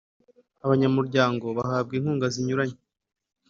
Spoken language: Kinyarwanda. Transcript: abanyamuryango bahabwa inkunga zinyuranye